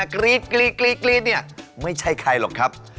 กรี๊ดไม่ใช่ใครหรอกครับ